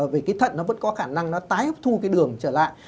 vì cái thận nó vẫn có khả năng nó tái hấp thu cái đường trở lại